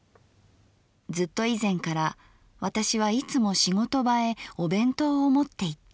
ずっと以前から私はいつも仕事場へお弁当を持っていった」。